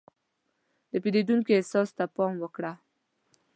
د پیرودونکي احساس ته پام وکړه.